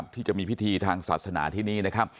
ที่จะมีพิธีทางศาสนาที่นี่นะครับ